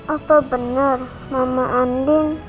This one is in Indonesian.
apa benar mama adin mama kandung aku